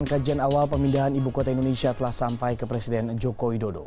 kajian awal pemindahan ibu kota indonesia telah sampai ke presiden joko widodo